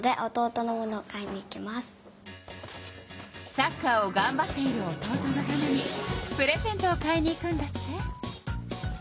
サッカーをがんばっている弟のためにプレゼントを買いに行くんだって。